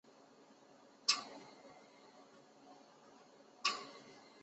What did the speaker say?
彩炼卷管螺为卷管螺科细切嘴螺属下的一个种。